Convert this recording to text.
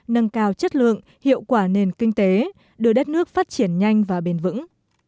nâng cao chất lượng hiệu quả nền kinh tế đưa đất nước phát triển nhanh và bền vững